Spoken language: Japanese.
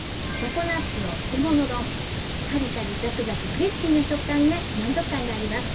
カリカリザクザククリスピーな食感で満足感があります。